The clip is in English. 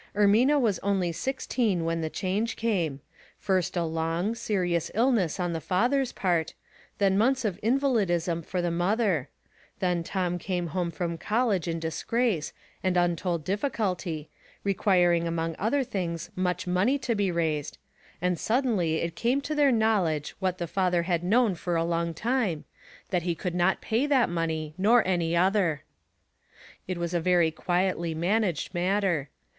Ermina was only sixteen when the change came ; first a long, serious illness on the father's part ; then months of invalidism for the mother: then Tom came home from college in disgrace and untold diffi culty, requiring among other things much money to be raised, and suddenly it came to their knowledge what the father had known for a long time, that he could not pay that money nor any other. It was a very quietly managed mat ter.